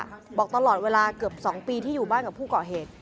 ที่น้องบอกตลอดเวลาเกือบสองปีที่อยู่บ้านกับผู้เกาะเหตุ